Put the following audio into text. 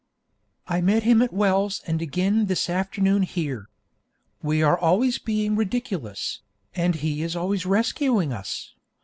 I met him at Wells and again this afternoon here. We are always being ridiculous, and he is always rescuing us.